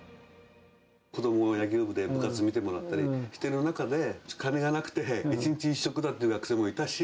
子どもの野球部で、部活見てもらったりしてる中で、お金がなくて、１日１食だという学生もいたし。